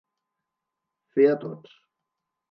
Fer a tots.